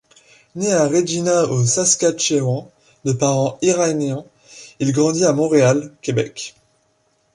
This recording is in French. Né à Regina, au Saskatchewan, de parents iraniens, il grandit à Montréal, Québec.